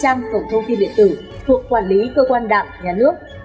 trang cổng thông tin điện tử thuộc quản lý cơ quan đạm nhà nước